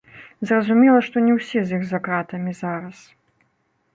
Зразумела, што не ўсе з іх за кратамі зараз.